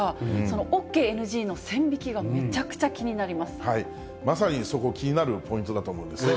ＯＫ、ＮＧの線引きがめちゃくちまさにそこ、気になるポイントだと思うんですね。